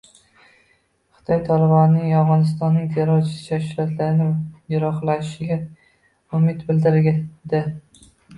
Xitoy Tolibonning Afg‘onistondagi terrorchi tashkilotlardan yiroqlashishiga umid bildirdi